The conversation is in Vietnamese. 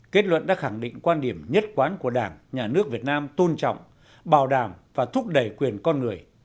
kết luận đã khẳng định quan điểm nhất quán của đảng nhà nước việt nam tôn trọng bảo đảm và thúc đẩy quyền con người